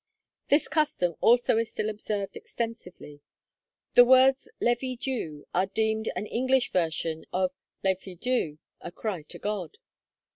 This custom also is still observed extensively. The words 'levy dew' are deemed an English version of Llef i Dduw, (a cry to God).